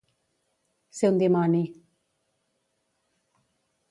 Ser un dimoni.